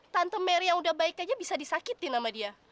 tante mary yang udah baik aja bisa disakitin sama dia